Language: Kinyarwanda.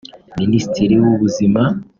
Minisitiri w’Ubuzima